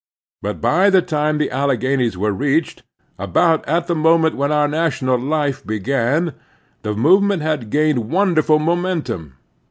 But by the time the Manhood and Statehood 237 Alleghanies were reached, about at the moment when our national life began, the movement had gained wonderful momentum.